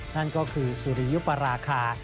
นั่นก็คือสุริยุปราคา